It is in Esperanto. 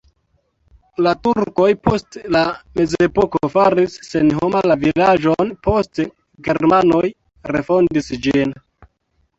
La turkoj post la mezepoko faris senhoma la vilaĝon, poste germanoj refondis ĝin.